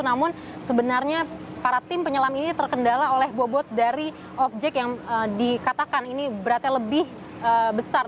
namun sebenarnya para tim penyelam ini terkendala oleh bobot dari objek yang dikatakan ini beratnya lebih besar